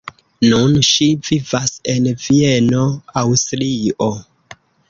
Nun ŝi vivas en Vieno, Aŭstrio.